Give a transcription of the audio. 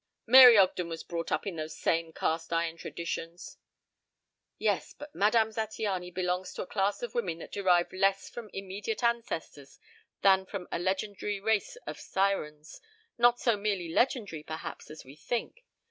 "Mary Ogden was brought up in those same cast iron traditions." "Yes, but Madame Zattiany belongs to a class of women that derive less from immediate ancestors than from a legendary race of sirens not so merely legendary, perhaps, as we think.